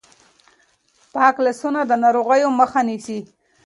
پاک لاسونه د ناروغیو مخه نیسي.